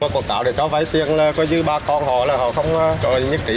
cuộc tạo để cho vay tiền là coi như ba con họ là họ không trò gì nhất kỹ